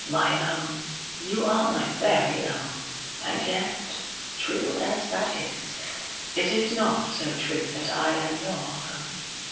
My own, you are my very own! And yet, true as that is, it is not so true as that I am your own.